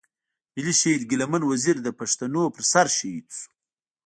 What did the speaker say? ملي شهيد ګيله من وزير د پښتنو پر سر شهيد شو.